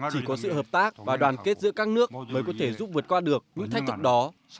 chỉ có sự hợp tác và đoàn kết giữa các nước mới có thể giúp vượt qua được những thách thức đó